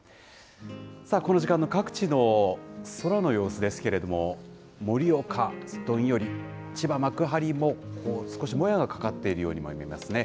この時間の各地の空の様子ですけれども、盛岡、どんより、千葉・幕張も少しもやがかかっているようにも見えますね。